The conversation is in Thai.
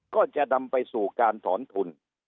ก็จะนำไปสู่การถอนทุน